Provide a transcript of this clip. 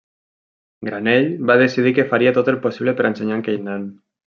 Granell va decidir que faria tot el possible ensenyar a aquell nen.